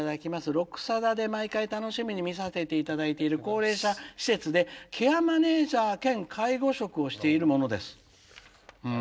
『録さだ』で毎回楽しみに見させて頂いている高齢者施設でケアマネージャー兼介護職をしている者です。